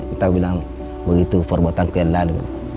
kita bilang begitu perbuatan kita lalu